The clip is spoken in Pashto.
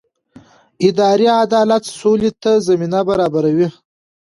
اداري عدالت سولې ته زمینه برابروي